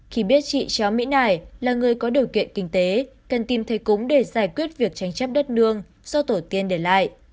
khi biết chị tráo mỹ nải là người có điều kiện kinh tế cần tìm thấy cúng để giải quyết việc tranh chấp đất nương do tổ tiên để lại